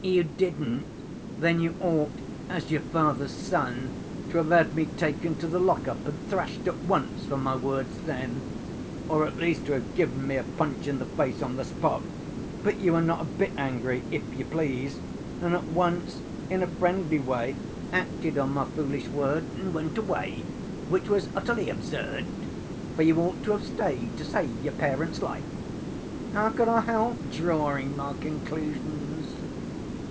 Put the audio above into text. "You didn't? Then you ought, as your father's son, to have had me taken to the lock‐up and thrashed at once for my words then ... or at least, to have given me a punch in the face on the spot, but you were not a bit angry, if you please, and at once in a friendly way acted on my foolish word and went away, which was utterly absurd, for you ought to have stayed to save your parent's life. How could I help drawing my conclusions?"